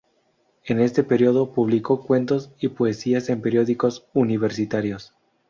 En ese período, publicó cuentos y poesías en periódicos universitarios.